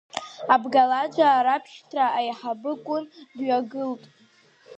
Абгалаџаа рабшьҭра аиҳабы Кәын дҩагылт.